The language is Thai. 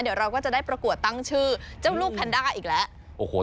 เดี๋ยวเราก็จะได้ประกวดตั้งชื่อเจ้าลูกแพนด้าอีกแล้วโอ้โห